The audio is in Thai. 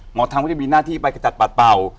หมอธรรมก็จะมีหน้าที่ไปกระจัดปัดเป่า